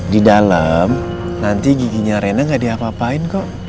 di dalam nanti giginya rena nggak diapapain kok